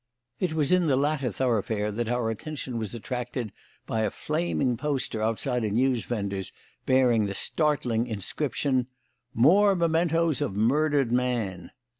It was in the latter thoroughfare that our attention was attracted by a flaming poster outside a newsvendor's bearing the startling inscription: "MORE MEMENTOES OF MURDERED MAN."